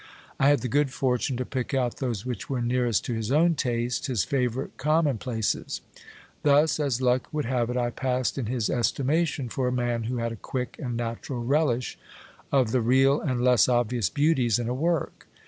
I had the good for tune to pick out those which were nearest to his own taste, his favourite com mon places. Thus, as luck would have it, I passed in his estimation for a man who had a quick and natural relish of the real and less obvious beauties in a work.